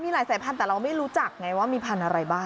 มีหลายสายพันธุ์แต่เราไม่รู้จักไงว่ามีพันธุ์อะไรบ้าง